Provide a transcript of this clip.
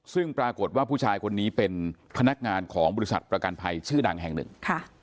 ซึ่งปรากฏว่าผู้ชายคนนี้เป็นพนักงานของบริษัทประกันภัยชื่อดังแห่งหนึ่ง